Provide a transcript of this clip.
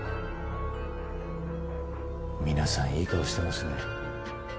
皆さんいい顔してますね。